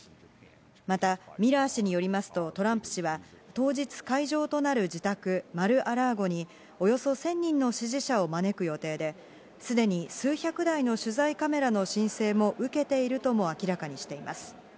またミラー氏によりますとトランプ氏は当日会場となる自宅マル・ア・ラーゴに、およそ１０００人の支持者を招く予定で、すでに数百台の取材カメラの申請も受けているとも明らかにしています。